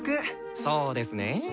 そうですねえ。